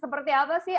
seperti apa sih